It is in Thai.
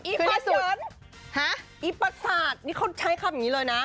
อีฟัสสุดหาอีฟัสสาดนี่เขาใช้คำอย่างนี้เลยนะ